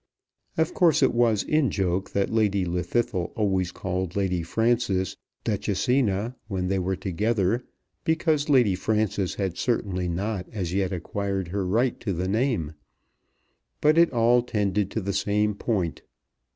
Of course it was in joke that Lady Llwddythlw always called Lady Frances Duchessina when they were together, because Lady Frances had certainly not as yet acquired her right to the name; but it all tended to the same point.